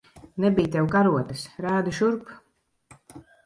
Nebij tev karotes. Rādi šurp!